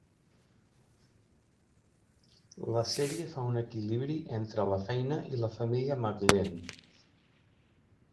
La sèrie fa un equilibri entre la feina i la família de McLean.